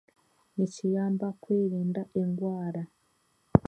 Nikiyamba kwerinda endwara.